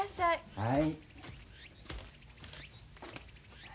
はい。